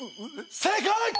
正解！